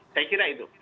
saya kira itu